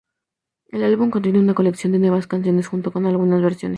El álbum contiene una colección de nuevas canciones junto con algunas versiones.